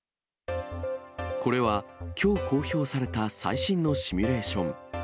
これは、きょう公表された最新のシミュレーション。